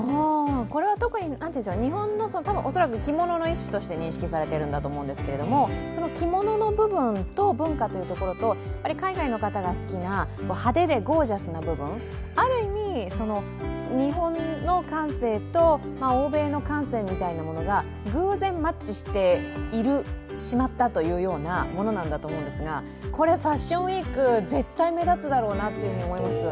これは特に日本の恐らく着物の一種として認識されていると思うんですけどその着物の部分と文化というところと、海外の方が好きな派手でゴージャスな部分、ある意味日本の感性と欧米の感性みたいなものが偶然マッチしてしまったというようなものなんだと思うんですが、これ、ファッションウィーク絶対目立つだろうなと思います。